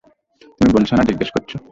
তুমি বলছো, না জিজ্ঞাসা করছো?